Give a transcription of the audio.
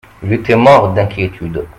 Il était mort d'inquiétude.